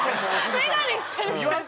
眼鏡してると。